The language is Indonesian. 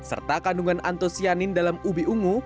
serta kandungan antosianin dalam ubi ungu